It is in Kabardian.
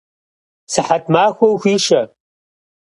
Сыхьэт махуэ ухуишэ!